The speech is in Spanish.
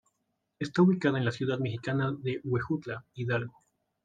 Está ubicada en la ciudad mexicana de Huejutla, Hidalgo.